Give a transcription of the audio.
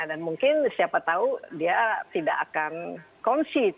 dan mungkin siapa tahu dia tidak akan concede